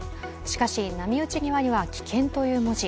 しかし、波打ち際には「きけん」という文字。